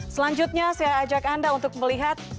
selanjutnya saya ajak anda untuk melihat